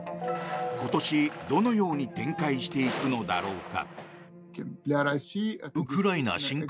今年、どのように展開していくのだろうか。